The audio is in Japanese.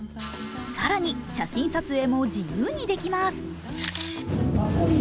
更に、写真撮影も自由にできます